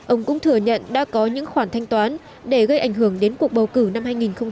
ông cũng thừa nhận đã có những khoản thanh toán để gây ảnh hưởng đến cuộc bầu cử năm hai nghìn một mươi